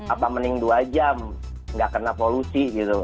apa mending dua jam nggak kena polusi gitu